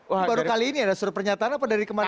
baru kali ini ada suruh pernyataan apa dari kemarin